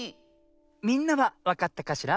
みんなはわかったかしら？